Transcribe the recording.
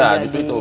iya justru itu